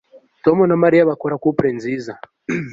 Tom na Mariya bakora couple nziza